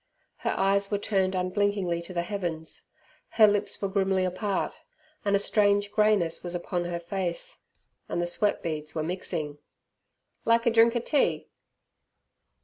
Her eyes were turned unblinkingly to the heavens, her lips were grimly apart, and a strange greyness was upon her face, and the sweat beads were mixing. "Like a drink er tea?